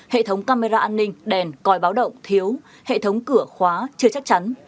hệ thống camera an ninh đèn coi báo động thiếu hệ thống cửa khóa chưa chắc chắn